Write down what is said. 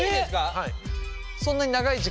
はい。